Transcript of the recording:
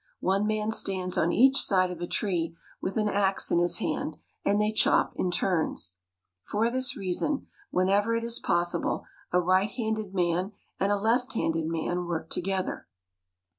One man stands on each side of a tree, with an ax in his hand, and they chop in turns. For this reason, whenever it is possible, a right handed man and a left handed man work to gether.